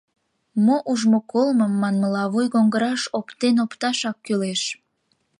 Мо ужмо-колмым, манмыла, вуйгоҥгыраш оптен-опташак кӱлеш.